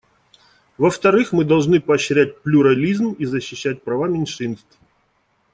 Во-вторых, мы должны поощрять плюрализм и защищать права меньшинств.